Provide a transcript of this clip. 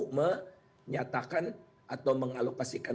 menyatakan atau mengalokasikan